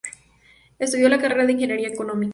Estudió la carrera de Ingeniería Económica.